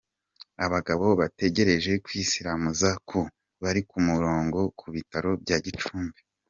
Abagabo bategereje kwisilamuza ku bari ku murongo ku bitaro bya Gicumbi.